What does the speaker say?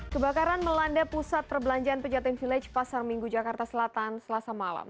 kebakaran melanda pusat perbelanjaan pejaten village pasar minggu jakarta selatan selasa malam